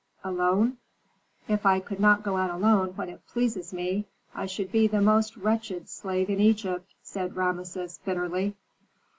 "Alone?" "If I could not go out alone when it pleases me, I should be the most wretched slave in Egypt," said Rameses, bitterly.